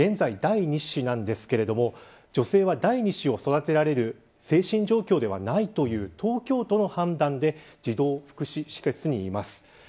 現在、第２子なんですが女性は第２子を育てられる精神状況ではないという東京都の判断で児童福祉施設にいます。